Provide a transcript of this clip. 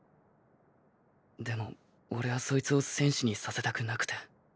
でもオレはそいつを戦士にさせたくなくて。